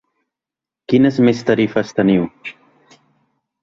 Quines més tarifes teniu?